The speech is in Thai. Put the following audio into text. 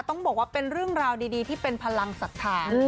ต้องบอกว่าเป็นเรื่องราวดีที่เป็นพลังศรัทธา